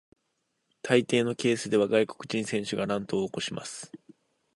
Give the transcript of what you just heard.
大抵のケースでは外国人選手が乱闘を起こします。